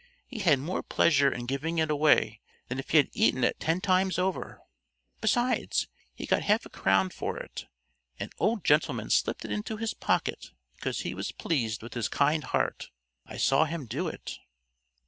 He had more pleasure in giving it away than if he had eaten it ten times over! Besides, he got half a crown for it. An old gentleman slipped it into his pocket because he was pleased with his kind heart. I saw him do it."